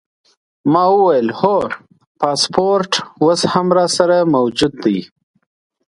ما وویل: هو، پاسپورټ اوس هم راسره موجود دی.